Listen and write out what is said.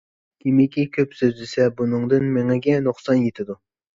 كىمكى كۆپ سۆزلىسە، بۇنىڭدىن مېڭىگە نۇقسان يېتىدۇ.